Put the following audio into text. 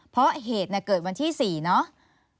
เพราะเหตุเกิดวันที่๔เนาะ